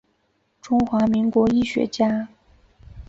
中华民国医学家。